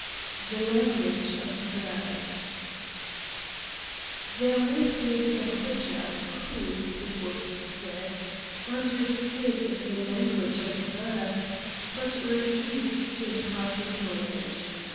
THE LANGUAGE OF BIRDS There once lived a Hodja who, it was said, understood the language of birds, but refused to impart his knowledge.